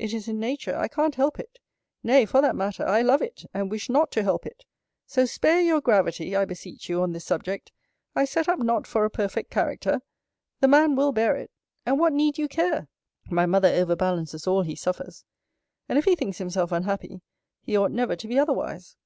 It is in nature. I can't help it. Nay, for that matter, I love it, and wish not to help it. So spare your gravity, I beseech you on this subject. I set up not for a perfect character. The man will bear it. And what need you care? My mother overbalances all he suffers: And if he thinks himself unhappy, he ought never to be otherwise.